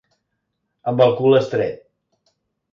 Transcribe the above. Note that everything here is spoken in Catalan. Amb el cul estret.